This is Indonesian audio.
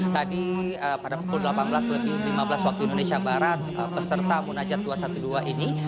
tadi pada pukul delapan belas lebih lima belas waktu indonesia barat peserta munajat dua ratus dua belas ini